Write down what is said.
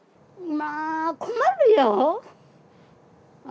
まあ、困るよ。